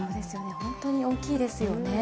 本当に大きいですよね。